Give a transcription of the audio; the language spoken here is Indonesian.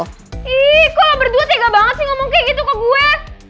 ih kok lo berdua tega banget sih ngomong kayak gitu ke gue